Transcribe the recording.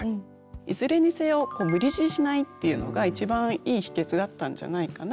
いずれにせよ無理強いしないっていうのが一番いい秘訣だったんじゃないかなっていうふうに思います。